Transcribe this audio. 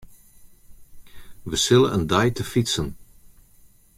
Wy sille in dei te fytsen.